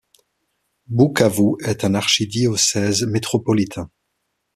Bukavu est un archidiocèse métropolitain.